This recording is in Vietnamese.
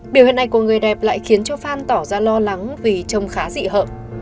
điều hiện nay của người đẹp lại khiến cho fan tỏ ra lo lắng vì trông khá dị hợm